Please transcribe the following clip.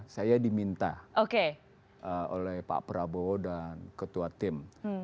saya diminta oleh pak prabowo dan ketua tim